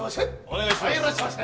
お願いします。